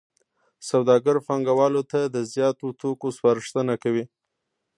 سوداګر پانګوالو ته د زیاتو توکو سپارښتنه کوي